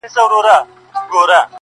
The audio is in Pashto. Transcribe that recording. پر غزل د جهاني به له ربابه نغمې اوري -